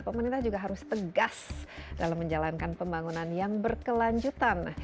pemerintah juga harus tegas dalam menjalankan pembangunan yang berkelanjutan